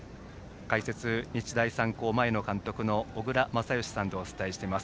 解説、日大三高前の監督の小倉全由さんでお伝えしています。